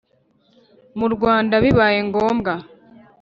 mu Rwanda bibaye ngombwa